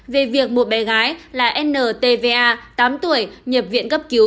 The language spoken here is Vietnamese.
về việc một bé gái là ntva tám tuổi nhập viện cấp cứu